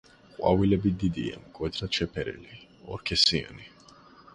ყვავილები დიდია, მკვეთრად შეფერილი, ორსქესიანი.